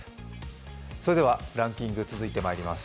それではランキング続いてまいります。